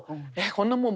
こんなもの